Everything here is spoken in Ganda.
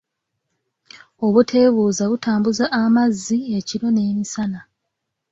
Obuteebuuza butambuza amazzi ekiro n’emisana.